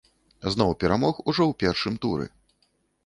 Зноў перамог ужо ў першым туры.